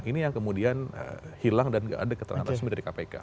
ini yang kemudian hilang dan nggak ada keterangan resmi dari kpk